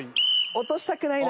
落としたくないな。